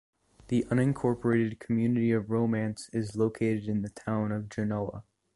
The unincorporated community of Romance is located in the town of Genoa.